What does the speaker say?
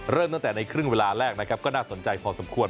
เริ่มตั้งแต่ในครึ่งเวลาแรกนะครับก็น่าสนใจพอสมควร